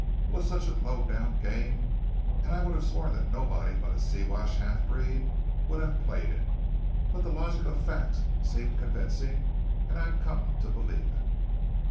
It was such a low down game that I'd have sworn that nobody but a Siwash half breed would have played it. But the logic of facts seemed convincing, and I'd come to believe it."